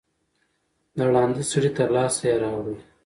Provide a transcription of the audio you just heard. د ړانده سړي تر لاسه یې راوړی